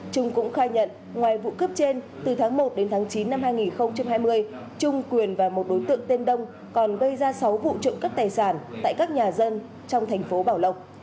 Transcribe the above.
trung cũng khai nhận ngoài vụ cướp trên từ tháng một đến tháng chín năm hai nghìn hai mươi trung quyền và một đối tượng tên đông còn gây ra sáu vụ trộm cắp tài sản tại các nhà dân trong thành phố bảo lộc